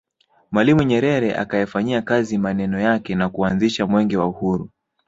Mwalimu Nyerere akayafanyia kazi maneno yake na kuanzisha Mwenge wa Uhuru